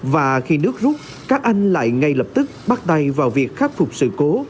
và khi nước rút các anh lại ngay lập tức bắt tay vào việc khắc phục sự cố